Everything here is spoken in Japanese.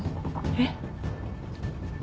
えっ！？